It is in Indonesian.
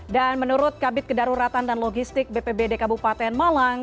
dan menurut kabit kedaruratan dan logistik bpbd kabupaten malang